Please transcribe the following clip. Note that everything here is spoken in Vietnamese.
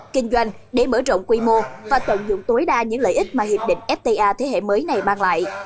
kinh doanh để mở rộng quy mô và tận dụng tối đa những lợi ích mà hiệp định fta thế hệ mới này mang lại